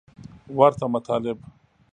ورته مطالب